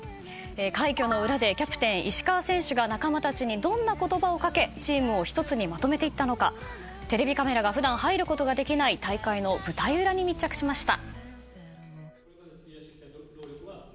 快挙の裏でキャプテン石川選手が仲間たちにどんな言葉をかけチームを一つにまとめていったのかテレビカメラが普段入ることができない大会の舞台裏に密着しました。